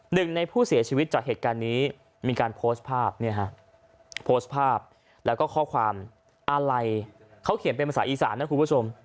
หนึ่งในผู้เสียชีวิตจากเหตุการณ์นี้มีการโพสต์ภาพโพสต์ภาพแล้วก็ข้อความอะไรเขาเขียนเป็นภาษาอีสานนะคุณผู้ชม